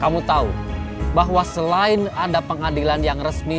kamu tahu bahwa selain ada pengadilan yang resmi